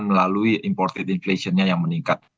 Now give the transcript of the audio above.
melalui imported inflation nya yang meningkat